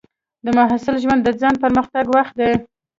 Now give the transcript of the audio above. د محصل ژوند د ځان پرمختګ وخت دی.